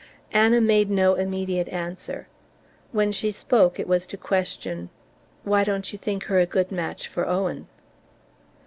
Anna made no immediate answer. When she spoke it was to question: "Why don't you think her a good match for Owen?"